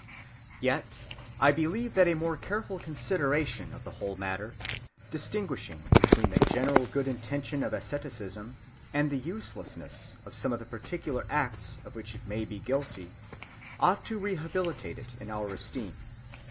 Yet I believe that a more careful consideration of the whole matter, distinguishing between the general good intention of asceticism and the uselessness of some of the particular acts of which it may be guilty, ought to rehabilitate it in our esteem.